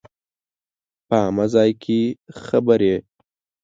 په عامه ځای کې خبرې